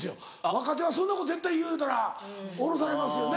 若手はそんなこと絶対言うたら降ろされますよね。